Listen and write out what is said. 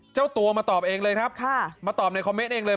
เจ้าตัวมาตอบเองเลยครับมาตอบในคอมเมนต์เองเลย